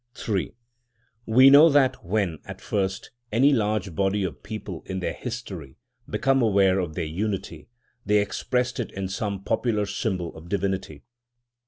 III We know that when, at first, any large body of people in their history became aware of their unity, they expressed it in some popular symbol of divinity.